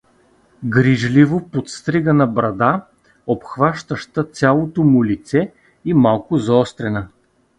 Грижливо подстригана брада, обхващаща цялото му лице и малко заострена.